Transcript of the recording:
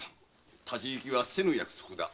立ち聞きはせぬ約束だ。